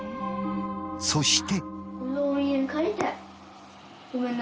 そして。